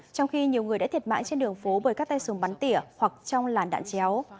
trong khi nhiều người đã thiệt mạng trên đường phố bởi các tay súng bắn tỉa hoặc trong làn đạn chéo